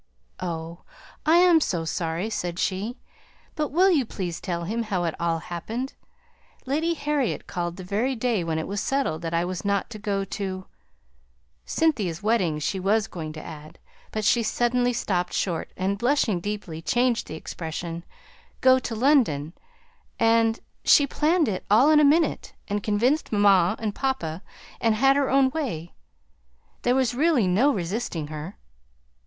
"Oh! I am so sorry!" said she. "But will you please tell him how it all happened. Lady Harriet called the very day when it was settled that I was not to go to " Cynthia's wedding, she was going to add, but she suddenly stopped short, and, blushing deeply, changed the expression, "go to London, and she planned it all in a minute, and convinced mamma and papa, and had her own way. There was really no resisting her."